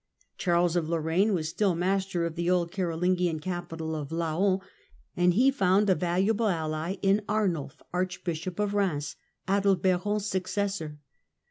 Charles of Lorraine was still 987 996 master of the old Carolingian capital of Laon, and he found a valuable ally in Arnulf, Archbishop of Eheims, Bkdalberon's successor.